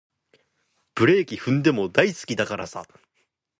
ブレーキ踏んでも大好きだからさ